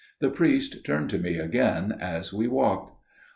The priest turned to me again as he walked.